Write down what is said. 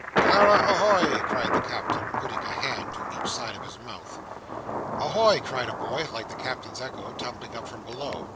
"Clara a hoy!" cried the Captain, putting a hand to each side of his mouth. "A hoy!" cried a boy, like the Captain's echo, tumbling up from below.